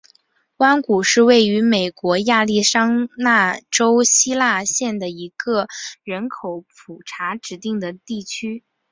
弯谷是位于美国亚利桑那州希拉县的一个人口普查指定地区。